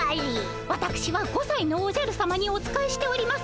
わたくしは５さいのおじゃるさまにお仕えしております